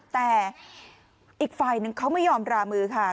แต่อีกฝ่ายนึงเขาไม่ยอมรามือค่ะ